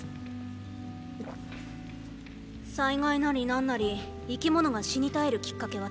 災害なりなんなり生き物が死に絶えるキッカケは沢山ある。